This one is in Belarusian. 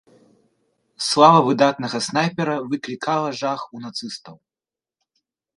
Слава выдатнага снайпера выклікала жах у нацыстаў.